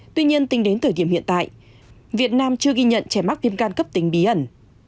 tuy nhiên tính đến thời điểm hiện tại việt nam chưa ghi nhận trẻ mắc viêm gan cấp tính bí ẩn